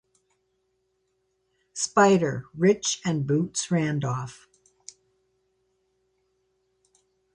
"Spider" Rich and Boots Randolph.